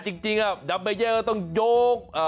แต่จริงดับเมเยอร์เขาต้องยก